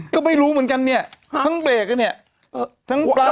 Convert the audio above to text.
ก็ไม่รู้เหมือนกันเนี่ยทั้งเบรกอ่ะเนี่ยทั้งปลั๊